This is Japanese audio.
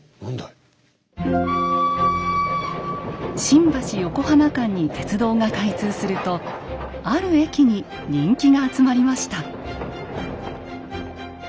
新橋・横浜間に鉄道が開通するとある駅に人気が集まりました。